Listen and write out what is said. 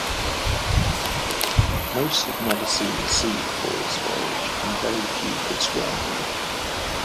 Most had never seen the sea before this voyage, and very few could swim.